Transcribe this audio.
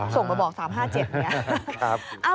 ส่งมาบอก๓๕๗อย่างนี้